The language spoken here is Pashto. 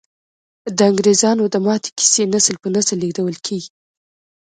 د انګریزامو د ماتې کیسې نسل په نسل لیږدول کیږي.